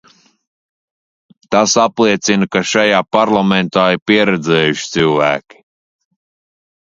Tas apliecina, ka šajā Parlamentā ir pieredzējuši cilvēki.